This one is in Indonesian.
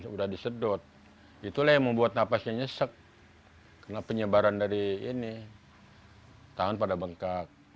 sudah disedot itulah yang membuat nafasnya nyesek kenapa penyebaran dari ini hai tahan pada bengkak